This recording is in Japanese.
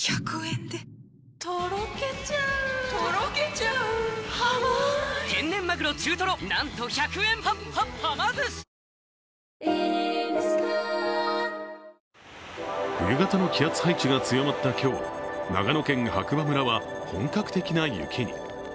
丈夫なからだへ「養命酒」冬型の気圧配置が強まった今日、長野県白馬村は本格的な雪に。